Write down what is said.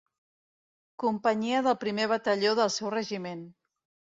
Companyia del primer Batalló del seu Regiment.